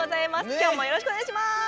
きょうもよろしくおねがいします。